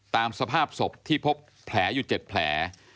ตามสภาพศพที่พบแผลอยู่๗แผล